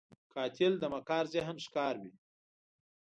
قاتل د مکار ذهن ښکار وي